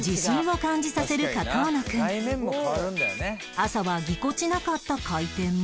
朝はぎこちなかった回転も